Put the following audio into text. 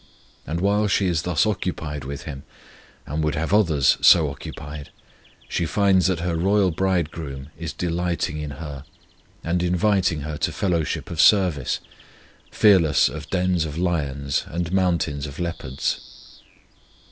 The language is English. And, while she is thus occupied with Him, and would have others so occupied, she finds that her royal Bridegroom is delighting in her, and inviting her to fellowship of service, fearless of dens of lions and mountains of leopards.